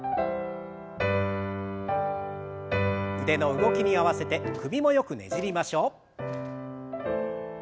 腕の動きに合わせて首もよくねじりましょう。